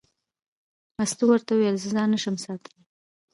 مستو ورته وویل: زه ځان نه شم ساتلی.